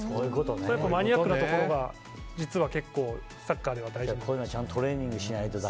そういうマニアックなところが実は結構サッカーでは大事です。